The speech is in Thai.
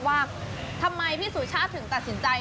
ว่าทำไมพี่สุชาติถึงตัดสินใจ